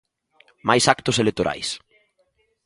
Máis actos electorais.